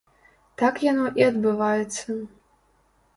Так яно і адбываецца.